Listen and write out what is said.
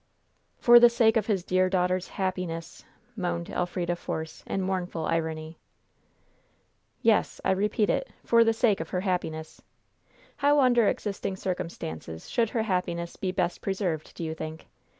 "For the sake of his dear daughter's 'happiness'!" moaned Elfrida Force, in mournful irony. "Yes. I repeat it. For the sake of her happiness. How, under existing circumstances, should her happiness be best preserved, do you think?